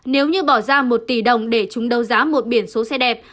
nếu như bỏ ra một tỷ đồng để chúng đấu giá một biển số xe đẹp